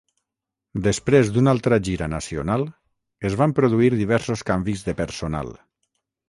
Després d'una altra gira nacional, es van produir diversos canvis de personal.